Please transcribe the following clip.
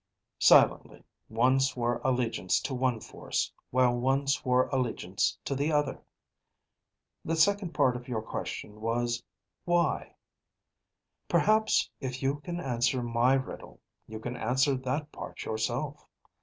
Silently, one swore allegiance to one force, while one swore allegiance to the other. The second part of your question was why. Perhaps if you can answer my riddle, you can answer that part yourself.